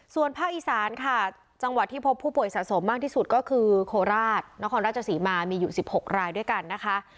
ส่วนภาคอีสานค่ะจังหวัดที่พบผู้ป่วยสะสมมากที่สุดก็คือโคราชนครราชศรีมามีอยู่๑๖รายด้วยกันนะคะ